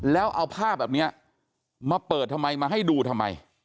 แล้วเอาภาพแบบนี้มาเปิดทำไมมาให้ดูทำไม